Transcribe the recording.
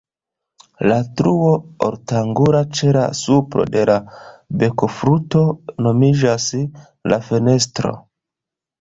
La truo ortangula ĉe la supro de la bekfluto nomiĝas la "fenestro".